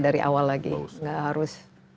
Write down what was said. dari awal lagi nggak harus